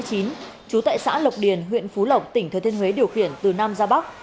trú tại xã lộc điền huyện phú lộc tỉnh thừa thiên huế điều khiển từ nam ra bắc